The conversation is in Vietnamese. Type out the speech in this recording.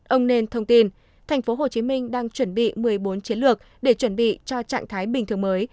ông nên thông tin tp hcm đang chuẩn bị một mươi bốn chiến lược để chuẩn bị cho trạng thái bình thường mới